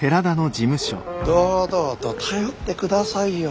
・堂々と頼ってくださいよ。